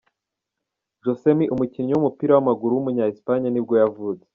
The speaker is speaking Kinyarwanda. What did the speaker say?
Josemi, umukinnyi w’umupira w’amaguru w’umunya Espagne ni bwo yavutse.